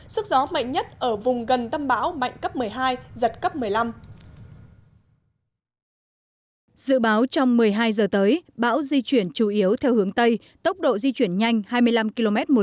sức gió mạnh nhất ở vùng gần tâm bão mạnh cấp một mươi hai giật cấp một mươi năm